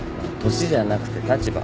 年じゃなくて立場。